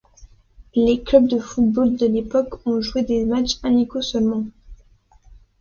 Les clubs de football de l'époque ont joué des matches amicaux seulement.